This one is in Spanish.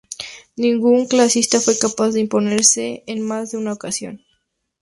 Ningún ciclista fue capaz de imponerse en más de una ocasión.